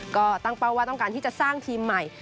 ก็ตั้งเป้าว่าต้องการที่จะสร้างทีมใหม่